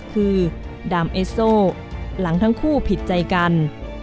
คือดามเอสโซหลังทั้งคู่ผิดใจกัน